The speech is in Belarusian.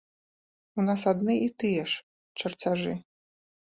У нас адны і тыя ж чарцяжы.